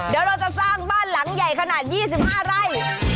เดี๋ยวเราจะสร้างบ้านหลังใหญ่ขนาด๒๕ไร่